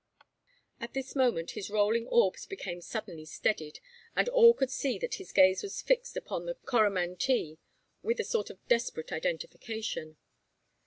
At this moment his rolling orbs became suddenly steadied; and all could see that his gaze was fixed upon the Coromantee with a sort of desperate identification.